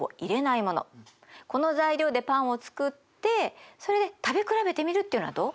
この材料でパンを作ってそれで食べ比べてみるっていうのはどう？